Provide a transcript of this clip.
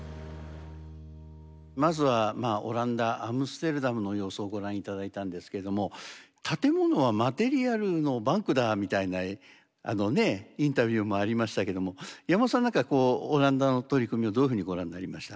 まずはまあオランダ・アムステルダムの様子をご覧頂いたんですけれども建物はマテリアルのバンクだみたいなインタビューもありましたけども岩元さんなんかオランダの取り組みをどういうふうにご覧になりました？